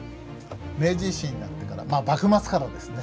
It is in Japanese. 明治維新になってからまあ幕末からですね